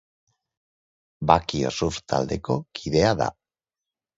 Bakio Surf Taldeko kidea da.